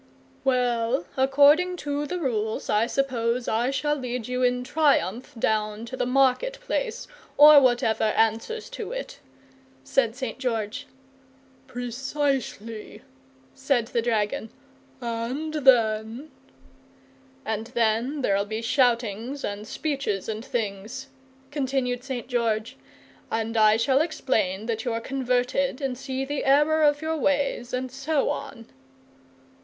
"Well, according to the rules I suppose I shall lead you in triumph down to the market place or whatever answers to it," said St. George. "Precisely," said the dragon. "And then " "And then there'll be shoutings and speeches and things," continued St. George. "And I shall explain that you're converted, and see the error of your ways, and so on."